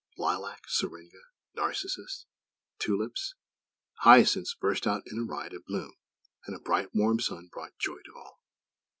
Lilac, syringa, narcissus, tulips, hyacinths burst out in a riot of bloom; and a bright warm Sun brought joy to all.